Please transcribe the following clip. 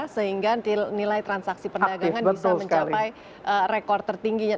sehingga nilai transaksi perdagangan bisa mencapai rekor tertingginya